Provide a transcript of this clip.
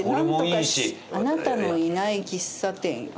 「あなたのいない喫茶店は」。